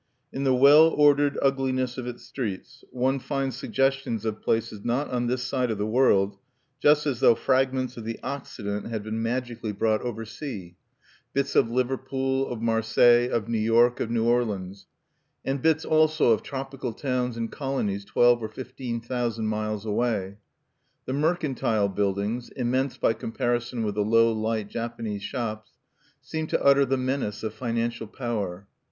In the well ordered ugliness of its streets one finds suggestions of places not on this side of the world, just as though fragments of the Occident had been magically brought oversea: bits of Liverpool, of Marseilles, of New York, of New Orleans, and bits also of tropical towns in colonies twelve or fifteen thousand miles away. The mercantile buildings immense by comparison with the low light Japanese shops seem to utter the menace of financial power.